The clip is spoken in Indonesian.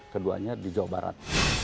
keduanya di jawa barat